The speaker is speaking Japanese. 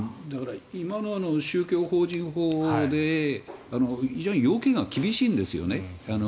今の宗教法人法って非常に要件が厳しいんですよね。